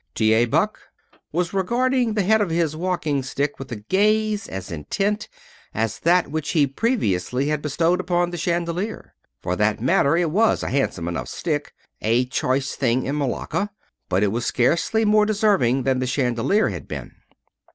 T. A. Buck was regarding the head of his if walking stick with a gaze as intent as that which he previously had bestowed upon the chandelier. For that matter it was a handsome enough stick a choice thing in malacca. But it was scarcely more deserving than the chandelier had been.